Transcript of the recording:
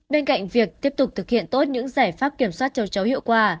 bên cạnh việc tiếp tục thực hiện tốt những giải pháp kiểm soát châu chấu hiệu quả